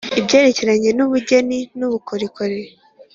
ibyerekeranye n ubugeni n ubukorikori